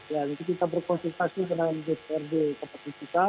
jadi kita berkonsultasi dengan jprd keputusan sika